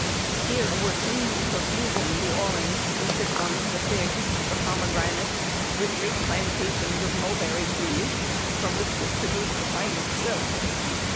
Here were seen in profusion the orange, the citron, the fig, and pomegranate, with great plantations of mulberry trees, from which was produced the finest silk.